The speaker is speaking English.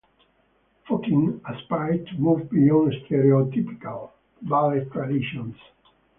Fokine aspired to move beyond stereotypical ballet traditions.